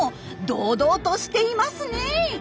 堂々としていますね。